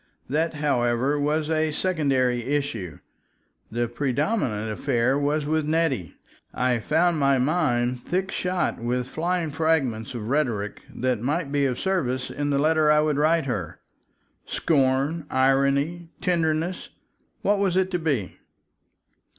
That, however, was a secondary issue. The predominant affair was with Nettie. I found my mind thick shot with flying fragments of rhetoric that might be of service in the letter I would write her. Scorn, irony, tenderness—what was it to be?